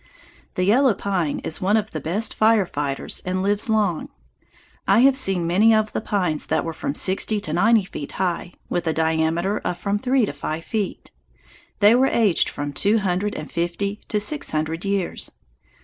The yellow pine is one of the best fire fighters and lives long. I have seen many of the pines that were from sixty to ninety feet high, with a diameter of from three to five feet. They were aged from two hundred and fifty to six hundred years.